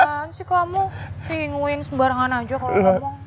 bukan sih kamu penguin sembarangan aja kalo ngomong